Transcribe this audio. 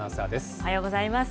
おはようございます。